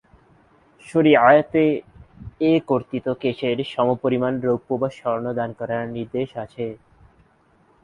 শরী’আতে এ কর্তিত কেশের সমপরিমাণ রৌপ্য বা স্বর্ণ দান করার নির্দেশ আছে।